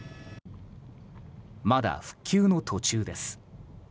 まだ復旧の途中です。